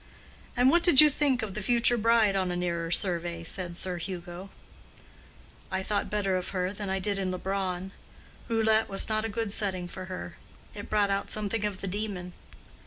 "And what did you think of the future bride on a nearer survey?" said Sir Hugo. "I thought better of her than I did in Leubronn. Roulette was not a good setting for her; it brought out something of the demon.